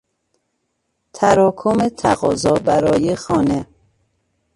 تراکم تقاضا برای خانه